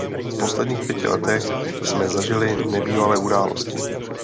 V posledních pěti letech jsme zažili nebývalé události.